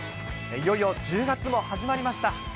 いよいよ１０月も始まりました。